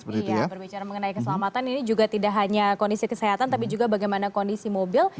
iya berbicara mengenai keselamatan ini juga tidak hanya kondisi kesehatan tapi juga bagaimana kondisi mobil